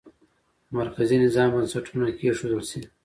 د مرکزي نظام بنسټونه کېښودل شي.